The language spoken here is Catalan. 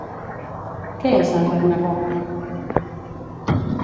Què és el Ragnarök?